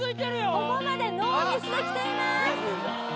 ここまでノーミスできています